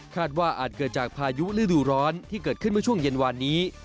ว่าอาจเกิดจากพายุฤดูร้อนที่เกิดขึ้นเมื่อช่วงเย็นวานนี้